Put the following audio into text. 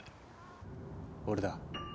俺だ。